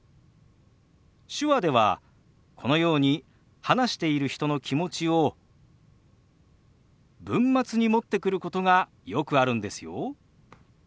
手話ではこのように話している人の気持ちを文末に持ってくることがよくあるんですよ。